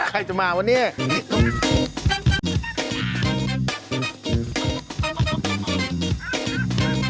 ใครจะมาวะเนี่ย